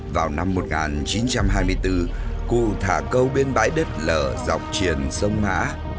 vào năm một nghìn chín trăm hai mươi bốn cụ thả câu bên bãi đất lở dọc triển sông mã